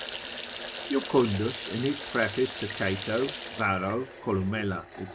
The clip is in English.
Jucundus, in his preface to Cato, Varro, Columella, &c.